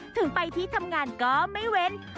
ถึงไปที่ทำงานก็ไม่เว้น